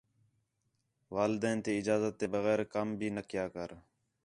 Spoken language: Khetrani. والدین تی اجازت تے بغیر کَم بھی نہ کیا کر